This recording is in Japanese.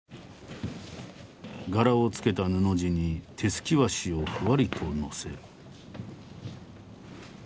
柄をつけた布地に手すき和紙をふわりと載せる。